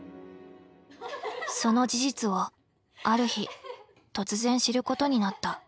その事実をある日突然知ることになった。